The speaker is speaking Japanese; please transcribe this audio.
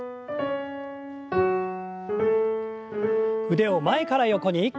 腕を前から横に。